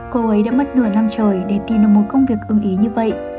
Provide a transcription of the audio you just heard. cô ấy đã mất nửa năm trời để đi nông môn công việc ưng ý như vậy